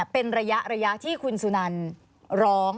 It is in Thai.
เป็นระยะที่คุณสุนันร้อง